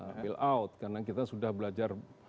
bailout karena kita sudah belajar